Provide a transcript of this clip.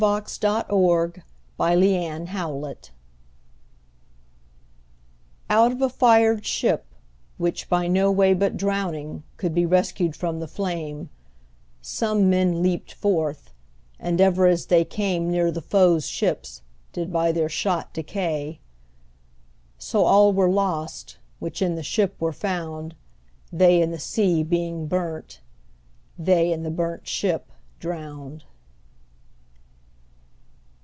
202919A Burnt ShipJohn Donne Out of a fired ship, which, by no way But drowning, could be rescued from the flame, Some men leap'd forth, and ever as they came Neere the foes ships, did by their shot decay; So all were lost, which in the ship were found, They in the sea being burnt, they in the burnt ship drown'd.